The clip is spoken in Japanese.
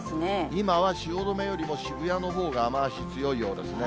今は汐留よりも渋谷のほうが、雨足強いようですね。